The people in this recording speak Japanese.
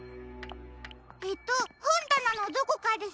えっとほんだなのどこかです。